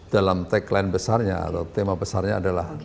dalam tagline besarnya atau tema besarnya adalah